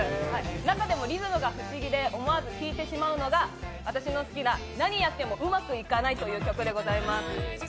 中でもリズムが不思議で思わず聴いてしまうのが、私の好きな「なにやってもうまくいかない」でございます。